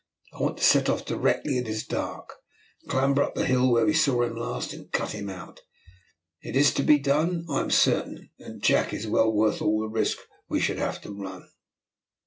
I want to set off directly it is dark, clamber up the hill where we saw him last, and cut him out. It is to be done, I am certain, and Jack is well worth all the risk we should have to run."